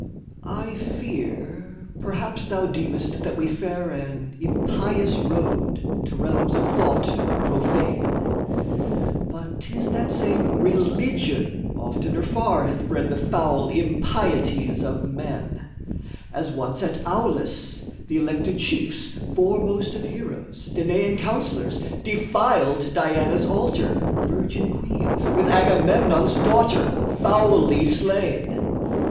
I fear perhaps thou deemest that we fare An impious road to realms of thought profane; But 'tis that same religion oftener far Hath bred the foul impieties of men: As once at Aulis, the elected chiefs, Foremost of heroes, Danaan counsellors, Defiled Diana's altar, virgin queen, With Agamemnon's daughter, foully slain.